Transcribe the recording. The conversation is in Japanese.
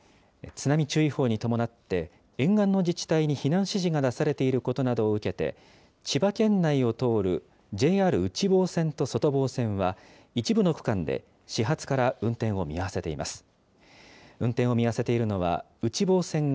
津波注意報に伴って、沿岸の自治体に避難指示が出されていることなどを受けて、千葉県内を通るＪＲ内房線と外房線は、一部の区間で始発から運転を見合わせています。